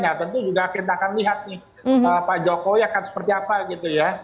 ya tentu juga kita akan lihat nih pak jokowi akan seperti apa gitu ya